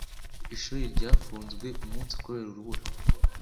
Ishuri ryafunzwe umunsi kubera urubura.